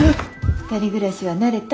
２人暮らしは慣れた？